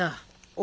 お！